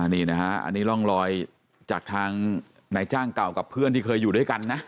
นี่นะฮะอันนี้ร่องรอยจากทางนายจ้างเก่ากับเพื่อนที่เคยอยู่ด้วยกันนะ